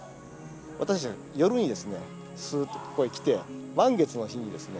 私夜にですねすーっとここへ来て満月の日にですね